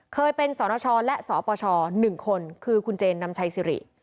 เคยเป็นสนชและสปช๑คนคือคุณเจนนำชัยสิริ